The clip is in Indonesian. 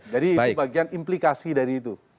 jadi bagian implikasi dari itu